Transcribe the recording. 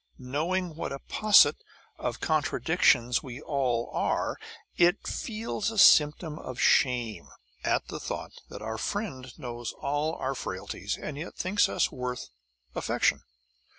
Knowing what a posset of contradictions we all are, it feels a symptom of shame at the thought that our friend knows all our frailties and yet thinks us worth affection.